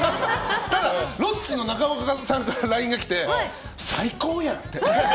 ただ、ロッチの中岡さんからＬＩＮＥがきて最高やん！って。